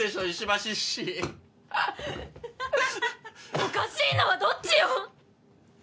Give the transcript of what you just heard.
おかしいのはどっちよ！